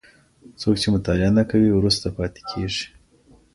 څوک چي مطالعه نه کوي وروسته پاتې کيږي.